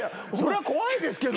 怖いですけど。